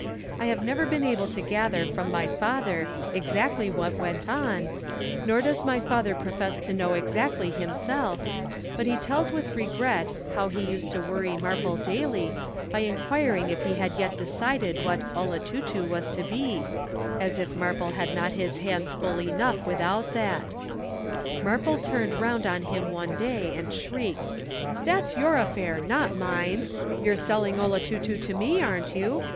I have never been able to gather from my father exactly what went on, nor does my father profess to know exactly himself, but he tells with regret how he used to worry Marple daily by inquiring if he had yet decided what "Olotutu" was to be, as if Marple had not his hands full enough without that. Marple turned round on him one day and shrieked: "That's your affair, not mine. You're selling 'Olotutu' to me, aren't you?